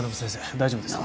大丈夫ですか？